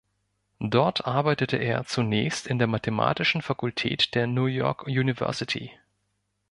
Dort arbeitete er zunächst in der mathematischen Fakultät der New York University.